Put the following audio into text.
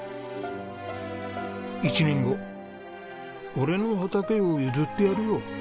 １年後「俺の畑を譲ってやるよ」